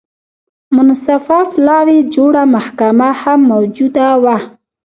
منصفه پلاوي جوړه محکمه هم موجوده وه.